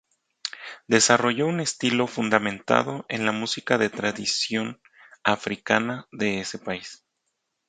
Desarrolló un estilo fundamentado en la música de tradición africana de ese país.